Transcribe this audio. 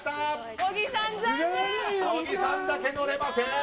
小木さんだけ乗れません！